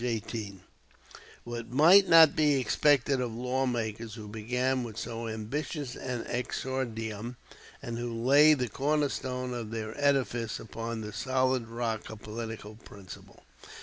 18.] What might not be expected of lawmakers who begin with so ambitious an exordium, and who lay the cornerstone of their edifice upon the solid rock of political principle?